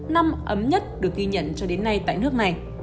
năm ấm nhất được ghi nhận cho đến nay tại nước này